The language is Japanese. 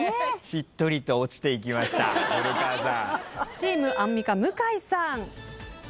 チームアンミカ向井さん。